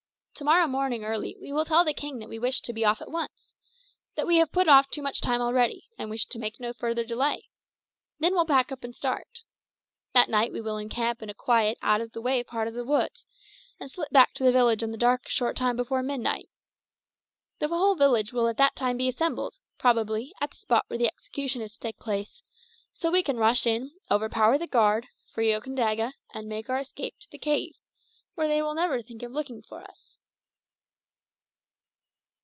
To morrow morning early we will tell the king that we wish to be off at once that we have put off too much time already, and wish to make no further delay. Then we'll pack up and start. At night we will encamp in a quiet, out of the way part of the woods, and slip back to the village in the dark a short time before midnight. The whole village will at that time be assembled, probably, at the spot where the execution is to take place; so we can rush in, overpower the guard, free Okandaga, and make our escape to the cave, where they will never think of looking for us."